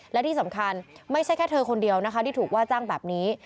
และที่สำคัญไม่ใช่แค่เธอคนเดียวนะคะที่ถูกว่าจ้างแบบนี้